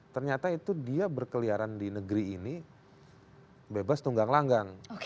ternyata itu dia berkeliaran di negeri ini bebas tunggang langgang